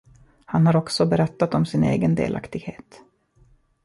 Han har också berättat om sin egen delaktighet.